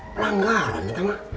pelanggaran itu mah